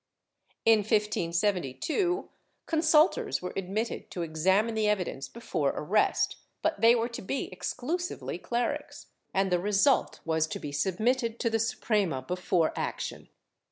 ^ In 1572, consultors were admitted to examine the evidence before arrest, but they were to be exclusively clerics, and the result was to be submitted to the Suprema before action.